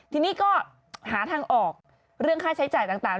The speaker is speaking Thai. ทีนี้ก็หาทางออกเรื่องค่าใช้จ่ายต่าง